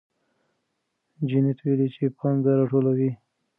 جینت ویلي چې پانګه راټولوي.